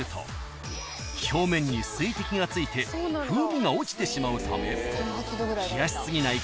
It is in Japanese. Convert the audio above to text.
［表面に水滴がついて風味が落ちてしまうため冷やし過ぎない